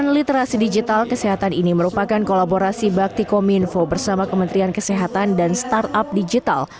program literasi digital kesehatan ini merupakan kolaborasi baktikominfo bersama kementerian kesehatan dan startup digital